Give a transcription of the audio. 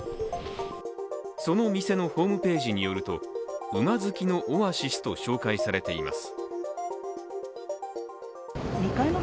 そのお店のホームページによると馬好きのオアシスと紹介されています。